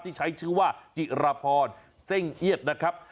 ที่ใช้ชื่อว่าจิรพรเส้งเอียดนะครับ